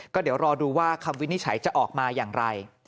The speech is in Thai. ก็เดี๋ยวรอดูว่าคำวินิจฉัยจะออกมาอย่างไร